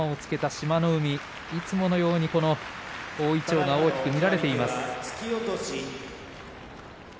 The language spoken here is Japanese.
いつものように大いちょうが大きく乱れています。